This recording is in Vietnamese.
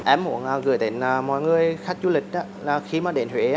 em muốn gửi đến mọi người khách du lịch là khi mà đến huế